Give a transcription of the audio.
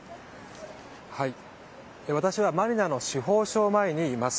私はマニラの司法省前にいます。